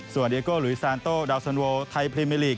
ส่วนเอโกหลุยซานโต้ดาวสันโวไทยพรีเมอร์ลีก